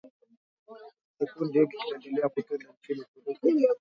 Kikundi hiki kinaendelea kutenda nchini Uturuki leo